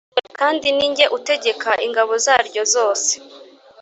Kandi ni njye utegeka ingabo zaryo zose